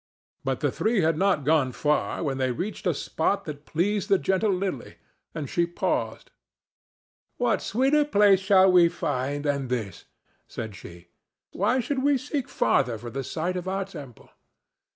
But the three had not gone far when they reached a spot that pleased the gentle Lily, and she paused. "What sweeter place shall we find than this?" said she. "Why should we seek farther for the site of our temple?"